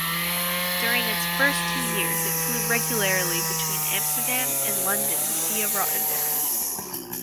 During its first two years it flew regularly between Amsterdam and London via Rotterdam.